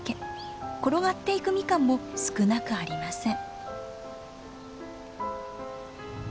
転がっていくミカンも少なくありません。